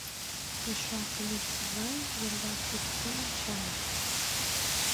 Миша кынел шогале, йырваш тӱслен ончале.